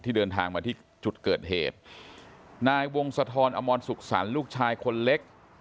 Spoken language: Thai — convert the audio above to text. เดินทางมาที่จุดเกิดเหตุนายวงศธรอมรสุขสรรค์ลูกชายคนเล็ก